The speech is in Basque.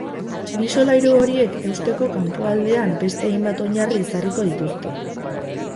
Bi solairu horiek eusteko kanpoaldean beste hainbat oinarri ezarriko dituzte.